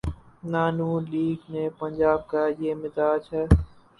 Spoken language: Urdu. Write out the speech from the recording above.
نہ ن لیگ‘ نہ پنجاب کا یہ مزاج ہے۔